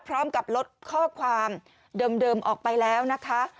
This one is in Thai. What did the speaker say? พร้อมกับลดข้อความเดิมออกไปแล้วนะคะ